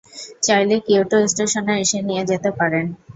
চাইলে কিয়োটো স্টেশনে এসে নিয়ে যেতে পারেন।